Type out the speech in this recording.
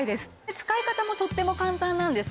使い方もとっても簡単なんです。